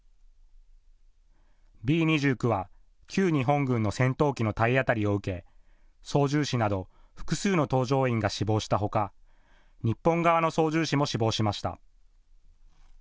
Ｂ２９は旧日本軍の戦闘機の体当たりを受け、操縦士など複数の搭乗員が死亡したほか日本側の操縦士も死亡しました。